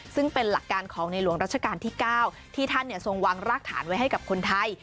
ซึ่งเป็นหลักการของในหลวงรัชกาลที่๙ที่ท่านทรงวางรากฐานไว้ให้กับคนไทย